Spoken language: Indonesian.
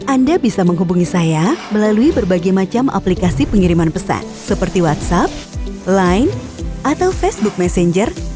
anda bisa menghubungi saya melalui berbagai macam aplikasi pengiriman pesan seperti whatsapp line atau facebook messenger